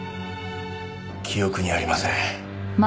記憶にありません。